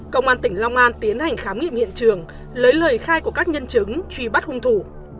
công an tỉnh long an tiến hành khám nghiệm hiện trường lấy lời khai của các nhân chứng truy bắt hung thủ